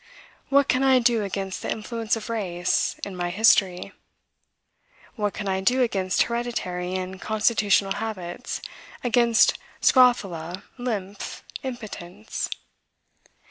What can I do against the influence of Race, in my history? What can I do against hereditary and constitutional habits, against scrofula, lymph, impotence?